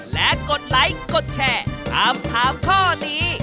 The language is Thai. และกดไลค์กดแชร์ถามถามข้อนี้